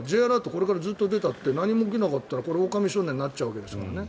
これからずっと出たって何も起きなかったらおおかみ少年になっちゃうわけですもんね。